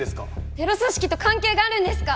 テロ組織と関係があるんですか！？